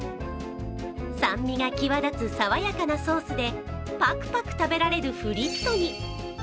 酸味が際立つさわやかなソースでパクパク食べられるフリットに。